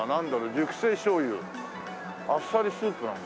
「熟成醤油」あっさりスープなんだ。